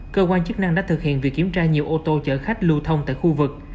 cơ quan chức năng đã thực hiện việc kiểm tra nhiều ô tô chở khách lưu thông tại khu vực